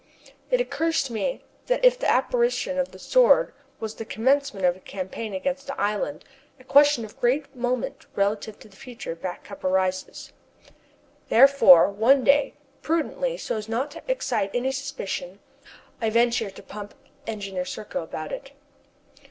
It occurs to me that if the apparition of the Sword was the commencement of a campaign against the island, a question of great moment relative to the future of Back Cup arises. Therefore, one day, prudently, so as not to excite any suspicion, I ventured to pump Engineer Serko about it.